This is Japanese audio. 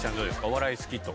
お笑い好きと。